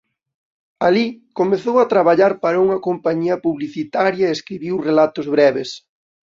Alí comezou a traballar para unha compañía publicitaria e escribiu relatos breves.